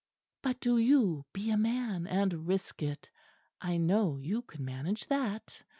But do you be a man and risk it. I know you can manage that."